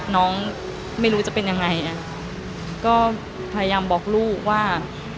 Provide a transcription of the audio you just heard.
น้องไม่รู้จะเป็นยังไงอ่ะก็พยายามบอกลูกว่า